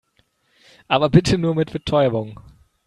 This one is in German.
Aber bitte nur mit Betäubung.